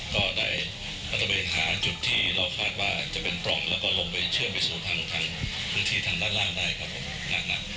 ก็ได้รัฐเวย์หาจุดที่เราคาดว่าจะเป็นปล่องและลงเชื่อมไปสู่ทางปือที่ทางด้านล่างได้ครับบอก